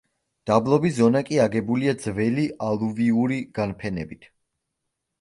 დაბლობი ზონა კი აგებულია ძველი ალუვიური განფენებით.